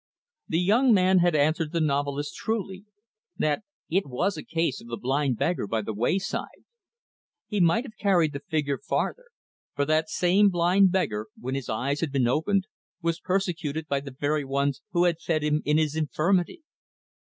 The young man had answered the novelist truly, that it was a case of the blind beggar by the wayside. He might have carried the figure farther; for that same blind beggar, when his eyes had been opened, was persecuted by the very ones who had fed him in his infirmity.